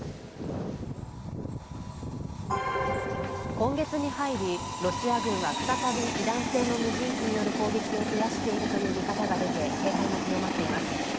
今月に入りロシア軍は再びイラン製の無人機による攻撃を増やしているという見方が出て、警戒が強まっています。